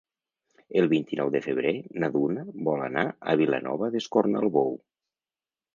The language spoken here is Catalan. El vint-i-nou de febrer na Duna vol anar a Vilanova d'Escornalbou.